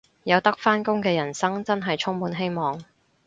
有得返工嘅人生真係充滿希望